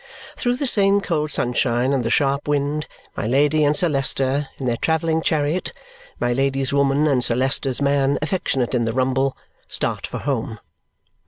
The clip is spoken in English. Through the same cold sunshine and the same sharp wind, my Lady and Sir Leicester, in their travelling chariot (my Lady's woman and Sir Leicester's man affectionate in the rumble), start for home.